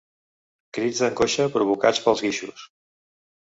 Crits d'angoixa provocats pels guixos.